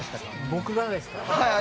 僕がですか？